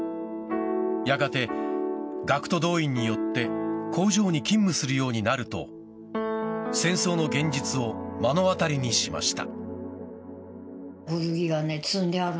やがて学徒動員によって工場に勤務するようになると戦争の現実を目の当たりにしました。